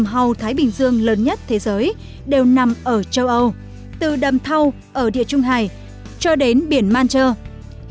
hầu thái bình dương được nuôi trồng rộng rãi vì đây là giống hầu có sức đề kháng tốt